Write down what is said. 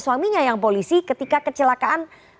suaminya yang polisi ketika kecelakaan